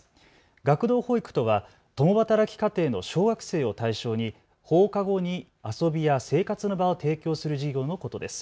学童保育とは共働き家庭の小学生を対象に放課後に遊びや生活の場を提供する事業のことです。